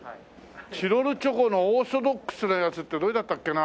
チロルチョコのオーソドックスのやつってどれだったっけな？